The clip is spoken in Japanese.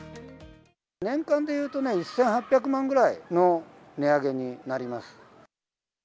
年間でいうと、１８００万ぐらいの値上げになります。